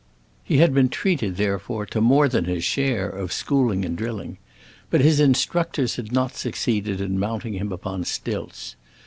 He had been treated, therefore, to more than his share of schooling and drilling, but his instructors had not succeeded in mounting him upon stilts.